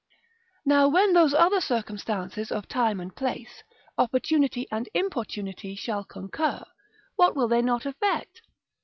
Now when those other circumstances of time and place, opportunity and importunity shall concur, what will they not effect?